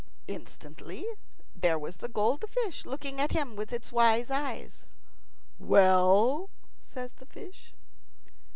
Instantly there was the golden fish looking at him with its wise eyes. "Well?" says the fish.